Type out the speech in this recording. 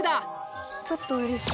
ちょっとうれしい。